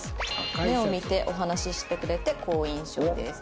「目を見てお話ししてくれて好印象です」。